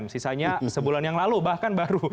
sisanya sebulan yang lalu bahkan baru